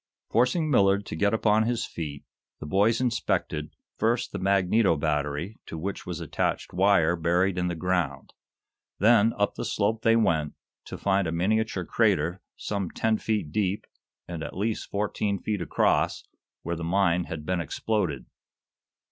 Forcing Millard to get upon his feet, the boys inspected, first the magneto battery, to which was attached wire buried in the ground. Then up the slope they went, to find a miniature crater, some ten feet deep and at least fourteen feet across, where the mine had been exploded.